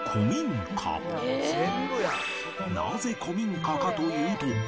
なぜ古民家かというと